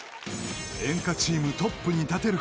［演歌チームトップに立てるか？